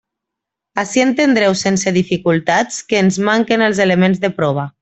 Ací entendreu sense dificultats que ens manquen els elements de prova.